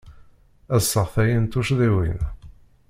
Ad sseɣtayen tucḍiwin.